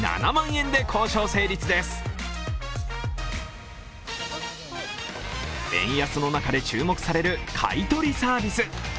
円安の中で注目される買い取りサービス。